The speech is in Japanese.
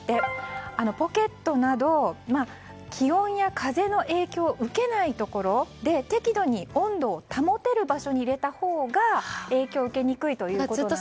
ポケットなど、気温や風の影響を受けないところで適度に温度を保てる場所に入れたほうが影響を受けにくいということです。